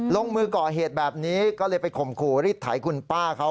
ลงมือก่อเหตุแบบนี้ก็เลยไปข่มขู่รีดไถคุณป้าเขา